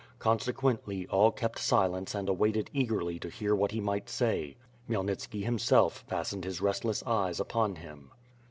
Consequently, all kept silence and awaited eagerly to hear what he might say. Khmyelnitski himself fastened his restless eyes upon him.